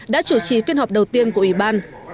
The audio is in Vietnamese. đã chủ trì phiên họp đầu tiên của ủy ban